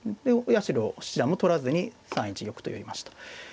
八代七段も取らずに３一玉と寄りました。